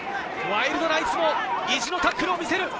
ワイルドナイツも意地のタックルを見せる。